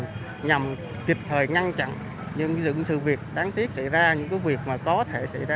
nhằm kịp thời ngăn chặn những sự việc đáng tiếc xảy ra những việc mà có thể xảy ra